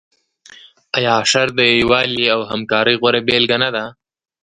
آیا اشر د یووالي او همکارۍ غوره بیلګه نه ده؟